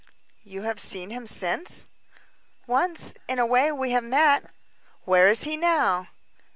"You have seen him since?" "Once in a way we have met." "Where is he now?"